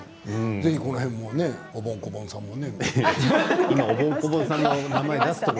ぜひこの辺もねおぼんこぼんさんもね。